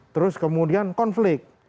terus kemudian konflik